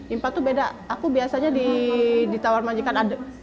infal tuh beda aku biasanya di tawar majikan tiga ratus